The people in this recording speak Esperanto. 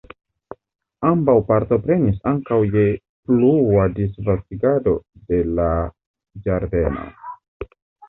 Ambaŭ partoprenis ankaŭ je plua disvastigado de la ĝardeno.